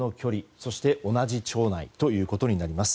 そして同じ町内ということになります。